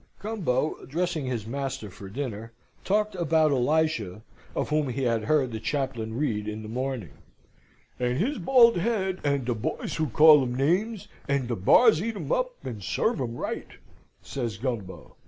Gumbo, dressing his master for dinner, talked about Elisha (of whom he had heard the chaplain read in the morning), "and his bald head and de boys who call um names, and de bars eat em up, and serve um right," says Gumbo.